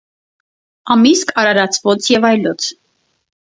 Ամիսք արարացւոց և այլոց։